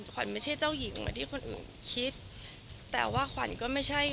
ขวัญไม่ใช่เจ้าหญิงเหมือนที่คนอื่นคิดแต่ว่าขวัญก็ไม่ใช่